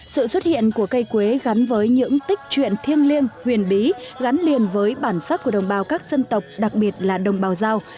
sự xuất hiện của cây quế gắn với những tích truyện thiêng liêng huyền bí gắn liền với bản sắc của đồng bào các dân tộc đặc biệt là đồng bào giao